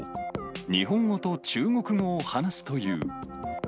日本語と中国語を話すという。